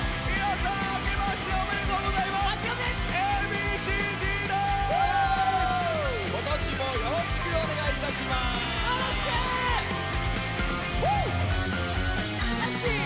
今年もよろしくお願い致します。